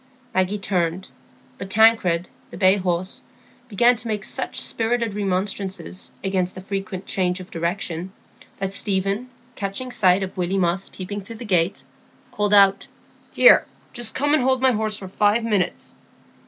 Maggie turned. But Tancred, the bay horse, began to make such spirited remonstrances against this frequent change of direction, that Stephen, catching sight of Willy Moss peeping through the gate, called out, "Here! just come and hold my horse for five minutes."